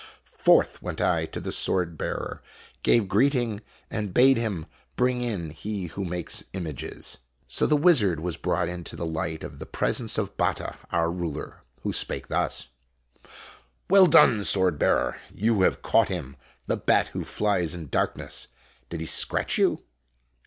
Forth went I to the swordbearer, gave greeting, and bade him bring in him who makes images. So the wizard was brought into the light of the presence of Batta, our ruler, who spoke thus :" Well done, Swordbearer. You have caught him, the bat who flies in darkness. Did he scratch you